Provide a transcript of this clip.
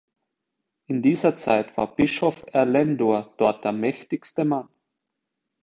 In dieser Zeit war Bischof Erlendur dort der mächtigste Mann.